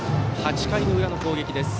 ８回の裏の攻撃です。